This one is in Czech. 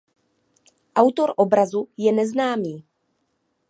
Autor obrazu je neznámý.